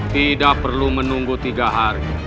tidak perlu menunggu tiga hari